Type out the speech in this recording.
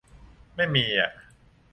ไม่มีอ่ะ